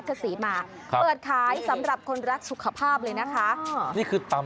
ให้เคราะห์หินด้วยนะ